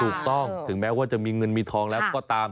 ถูกต้องถึงแม้ว่าจะมีเงินมีทองแล้วก็ตาม